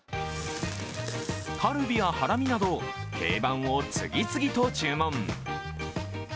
カルビやハラミなど定番を次々と注文。